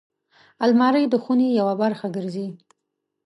الماري د خونې یوه برخه ګرځي